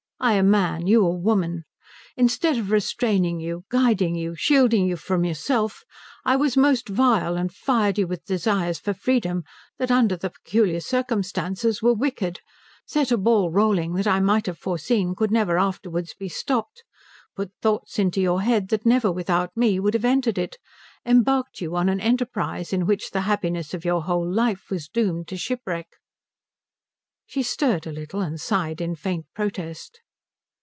I a man, you a woman. Instead of restraining you, guiding you, shielding you from yourself, I was most vile, and fired you with desires for freedom that under the peculiar circumstances were wicked, set a ball rolling that I might have foreseen could never afterwards be stopped, put thoughts into your head that never without me would have entered it, embarked you on an enterprise in which the happiness of your whole life was doomed to shipwreck." She stirred a little, and sighed a faint protest.